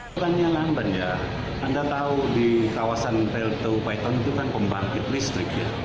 bukannya lamban ya anda tahu di kawasan pltu paiton itu kan pembangkit listrik ya